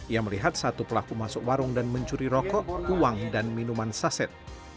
ia melihat satu pelaku masuk warung dan mencuri rokok uang dan minuman saset